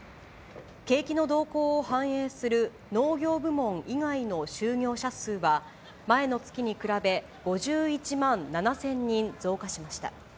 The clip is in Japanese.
景気の動向を反映する農業部門以外の就業者数は、前の月に比べ５１万７０００人増加しました。